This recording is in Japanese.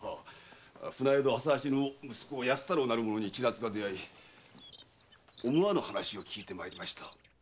船宿・浅八の息子安太郎なる者に千奈津が出会い思わぬ話を聞いてまいりました。